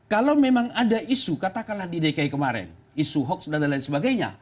kalau memang ada isu katakanlah di dki kemarin isu hoax dan lain lain sebagainya